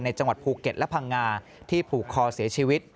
จังหวัดภูเก็ตและพังงาที่ผูกคอเสียชีวิต